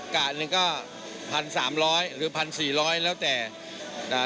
กะ๑ก็๑๐๐๐๔๐๐หรือ๑๖๐๐แล้วแต่